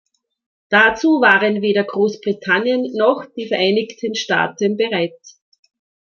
Dazu waren weder Großbritannien noch die Vereinigten Staaten bereit.